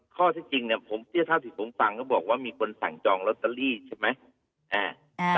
ข้อที่จริงเนี่ยเท่าที่ผมฟังเขาบอกว่ามีคนสั่งจองลอตเตอรี่ใช่ไหม